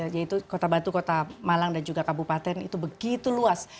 yaitu kota batu kota malang dan juga kabupaten itu begitu luas